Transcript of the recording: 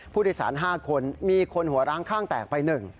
ผู้โดยสาร๕คนมีคนหัวร้างข้างแตกไป๑